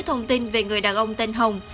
thông tin về người đàn ông tên hồng